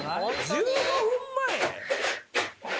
１５分前！？